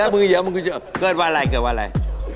มึงเยอะเกิดวันอะไร